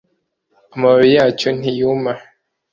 Amababi yacyo ntiyuma